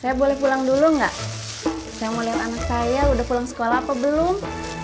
saya boleh pulang dulu enggak saya mau lihat anak saya udah pulang sekolah apa belum